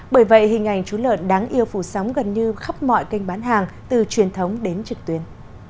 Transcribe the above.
bởi vậy hình ảnh chú lợn đáng yêu phủ sóng gần như khắp mọi kênh bán hàng từ truyền thống đến trực tuyến